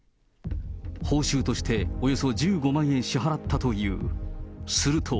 報酬としておよそ１５万円支払ったという。